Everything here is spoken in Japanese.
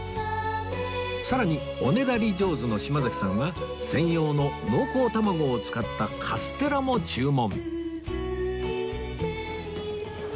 さらにおねだり上手の島崎さんは専用の濃厚卵を使ったカステラも注文